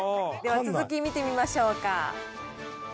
続き見てみましょうか。